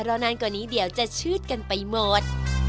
นานกว่านี้เดี๋ยวจะชืดกันไปหมด